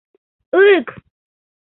Ык!